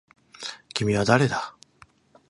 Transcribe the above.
君は誰だ